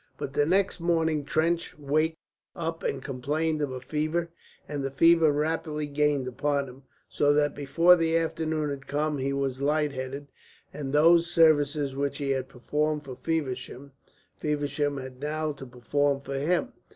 But the next morning Trench waked up and complained of a fever; and the fever rapidly gained upon him, so that before the afternoon had come he was light headed, and those services which he had performed for Feversham, Feversham had now to perform for him.